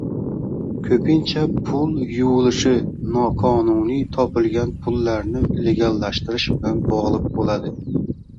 Ko‘pincha pul yuvilishi, noqonuniy topilgan pullarni legallashtirish bilan bog‘liq bo‘ladi.